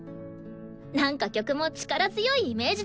なんか曲も力強いイメージだし。